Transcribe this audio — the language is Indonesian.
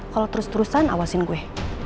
kalau terus terusan awasin gue